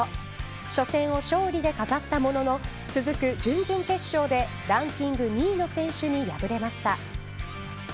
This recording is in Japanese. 初戦を勝利で飾ったものの続く準々決勝でランキング２位の選手に敗れました。